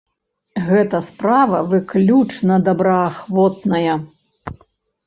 Гэта справа выключна добраахвотная.